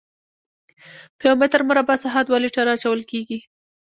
په یو متر مربع ساحه دوه لیټره اچول کیږي